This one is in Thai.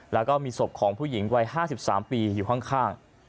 แล้วก็มีศพของผู้หญิงวัย๕๓ปีอยู่ข้าง